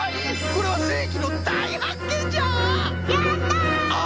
これはせいきのだいはっけんじゃ！